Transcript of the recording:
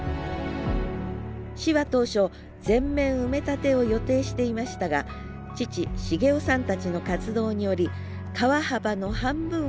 市は当初全面埋め立てを予定していましたが父茂男さんたちの活動により川幅の半分は運河が残ることが決定。